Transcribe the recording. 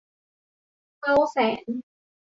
เศร้าแสน